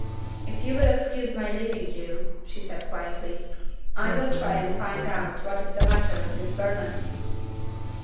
"If you will excuse my leaving you," she said quietly, "I will try and find out what is the matter with Miss Burnham."